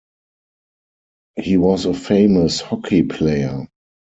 He was a famous hockey player.